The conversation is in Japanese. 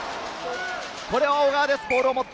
これは小川です。